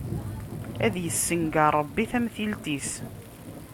Ad yessenger Ṛebbi tamtilt-is!